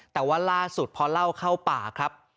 แต่ว่าล่าสุดพอเล่าเข้าป่าครับ